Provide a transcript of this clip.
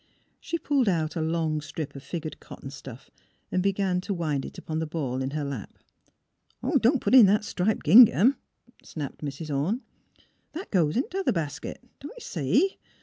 She pulled out a long strip of figured cot ton stuif and began to wind it upon the ball in her lap. '^ Don't put in that striped gingham! " snapped Mrs. Orne. " That goes in th' other basket; don't you see?